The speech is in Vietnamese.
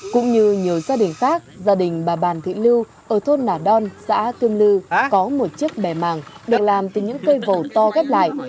cũng như nhiều gia đình khác gia đình bà bàn thị lưu ở thôn nà đon xã tương lư có một chiếc bè màng được làm từ những cây vồ to ghép lại